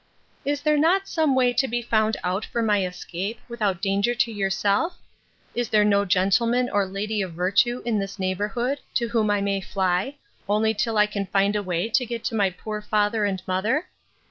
'Is there not some way to be found out for my escape, without danger to yourself? Is there no gentleman or lady of virtue in this neighbourhood, to whom I may fly, only till I can find a way to get to my poor father and mother?